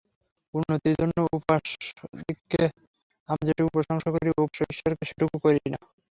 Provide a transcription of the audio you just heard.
উন্নতির জন্য উপাসকদিগকে আমরা যেটুকু প্রশংসা করি, উপাস্য ঈশ্বরকে সেটুকু করি না।